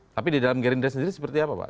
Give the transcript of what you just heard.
tapi di dalam gerindra sendiri seperti apa pak